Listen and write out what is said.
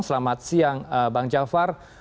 selamat siang bang jafar